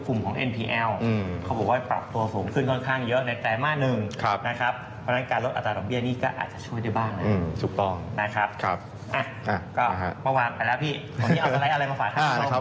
ก็มาวางไปแล้วพี่วันนี้เอาสไลด์อะไรมาฝากท่านผู้ชม